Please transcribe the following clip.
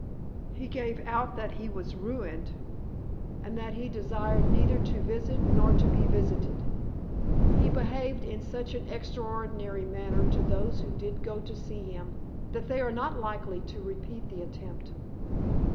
He gave out that he was ruined, and that he desired neither to visit nor to be visited. He behaved in such an extraordinary manner to those who did go to see him, that they are not likely to repeat the attempt."